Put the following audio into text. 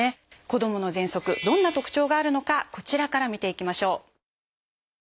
子どものぜんそくどんな特徴があるのかこちらから見ていきましょう。